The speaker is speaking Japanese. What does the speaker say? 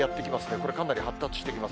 これ、かなり発達してきます。